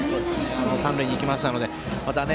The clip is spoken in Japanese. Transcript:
三塁に行きましたのでね。